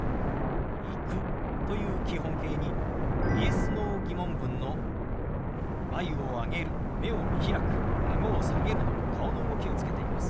「行く」という基本形にＹｅｓ−Ｎｏ疑問文の眉を上げる目を見開くあごを下げるの顔の動きをつけています。